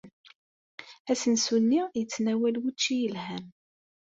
Asensu-nni yettnawal učči yelhan.